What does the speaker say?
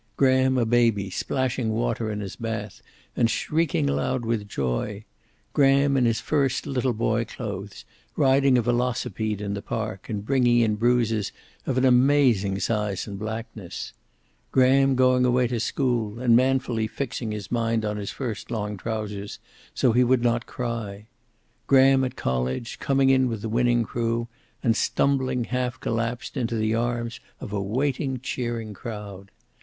Graham a baby, splashing water in his bath and shrieking aloud with joy; Graham in his first little boy clothes, riding a velocipede in the park and bringing in bruises of an amazing size and blackness; Graham going away to school, and manfully fixing his mind on his first long trousers, so he would not cry; Graham at college, coming in with the winning crew, and stumbling, half collapsed, into the arms of a waiting, cheering crowd.